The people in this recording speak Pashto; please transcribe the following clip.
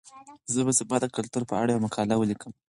زه به سبا د کلتور په اړه یوه مقاله ولیکم.